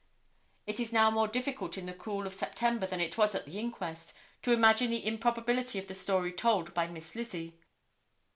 It is now more difficult in the cool of September than it was at the inquest, to imagine the improbability of the story told by Miss Lizzie.